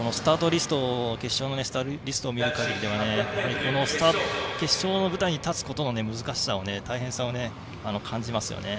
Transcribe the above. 決勝のスタートリストを見る限り決勝の舞台に立つ難しさ、大変さを感じますよね。